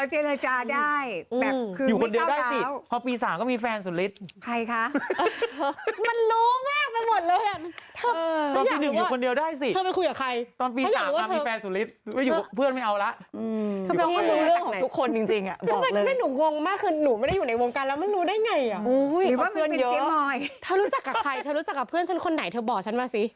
เราเจรจาได้อยู่คนเดียวได้สิ